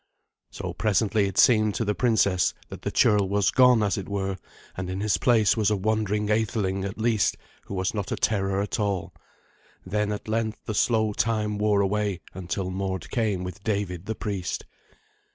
So presently it seemed to the princess that the churl was gone, as it were, and in his place was a wandering atheling, at least, who was not a terror at all. Then at length the slow time wore away until Mord came with David the priest.